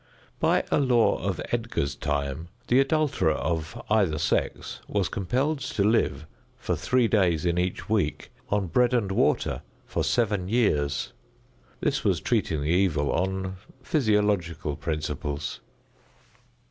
By a law of Edgar's time the adulterer of either sex was compelled to live, for three days in each week, on bread and water for seven years. This was treating the evil on physiological principles.